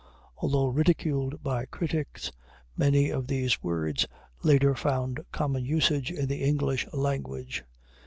Although ridiculed by critics, many of these words later found common usage in the English language.